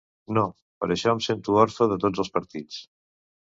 No, per això em sento orfe de tots els partits.